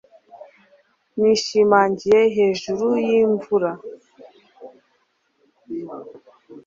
nishimangiye hejuru yimvura